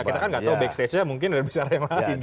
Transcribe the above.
kita kan gak tahu back stage nya mungkin bisa remahin